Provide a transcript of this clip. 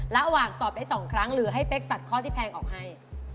ระหว่างตอบได้๒ครั้งหรือให้เป๊กตัดข้อที่แพงออกให้